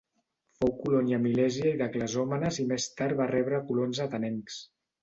Fou colònia milèsia i de Clazòmenes i més tard va rebre colons atenencs.